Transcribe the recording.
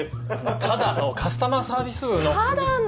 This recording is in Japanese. ただのカスタマーサービス部の。